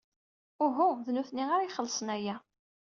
Uhu, d nitni ara ixellṣen aya.